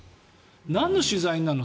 なんの取材なの。